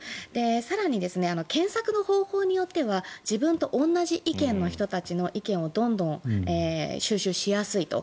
更に、検索の方法によっては自分と同じ意見の人たちの意見をどんどん収集しやすいと。